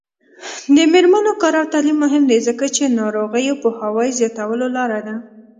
د میرمنو کار او تعلیم مهم دی ځکه چې ناروغیو پوهاوي زیاتولو لاره ده.